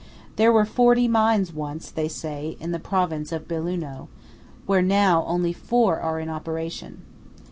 There were forty mines once, they say, in the province of Belluno, where now only four are in operation.